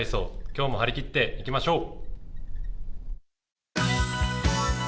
今日も張り切っていきましょう。